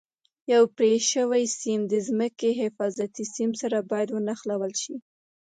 یو پرې شوی سیم د ځمکې حفاظتي سیم سره باید ونښلول شي.